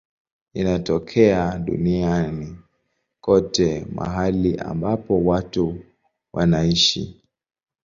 Inatokea duniani kote mahali ambapo watu wanaishi.